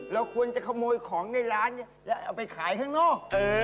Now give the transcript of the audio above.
เราควรจะขโมยของในร้านให้ค่ายข้างโน้ท